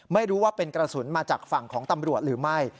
ไม่รู้ว่าเป็นกระสุนมาจากฝั่งของตำรวจหรือไม่